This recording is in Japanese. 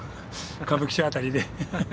歌舞伎町辺りで。